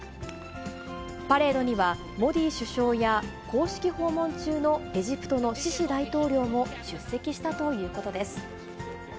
パレードにはモディ首相や、公式訪問中のエジプトのシシ大統領も出席したということです。